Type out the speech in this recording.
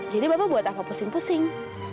jadi bapak buat apa pusing pusing